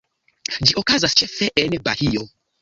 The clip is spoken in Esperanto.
Ĝi okazas ĉefe en Bahio.